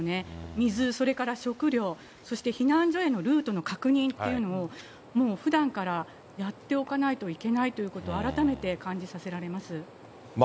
水それから食料、そして避難所へのルートの確認っていうのも、もうふだんからやっておかないといけないということを改めて感じさせられます。